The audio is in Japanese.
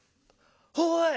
おい！